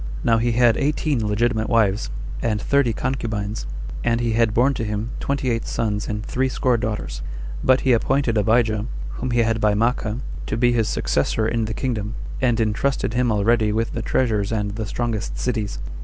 Now he had eighteen legitimate wives, and thirty concubines; and he had born to him twenty eight sons and threescore daughters; but he appointed Abijah, whom he had by Maachah, to be his successor in the kingdom, and intrusted him already with the treasures and the strongest cities.